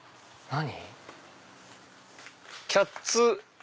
何？